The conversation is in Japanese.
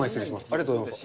ありがとうございます。